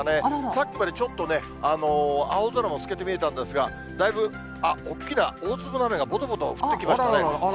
さっきまでちょっとね、青空も透けて見えたんですが、だいぶ、あっ、大きな大粒の雨がぼとぼと降ってきましたね。